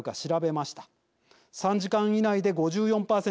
３時間以内で５４％。